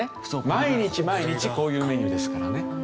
毎日毎日こういうメニューですからね。